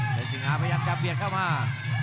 เป็นสิงหาพยายามจะเบียดเข้ามา